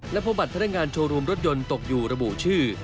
และพบบัตรพนักงานโชว์รูมรถยนต์ตกอยู่ระบุชื่อ